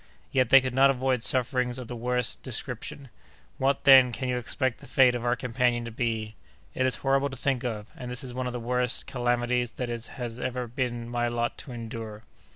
Yet, they could not avoid sufferings of the worst description! What, then, can you expect the fate of our companion to be? It is horrible to think of, and this is one of the worst calamities that it has ever been my lot to endure!"